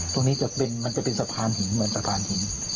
ตรงนี้จะเป็นมันจะเป็นสะพานหินเหมือนสะพานหิน